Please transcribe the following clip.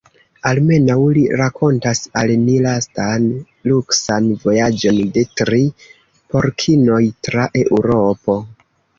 Almenaŭ li rakontas al ni lastan, luksan vojaĝon de tri porkinoj tra Eŭropo.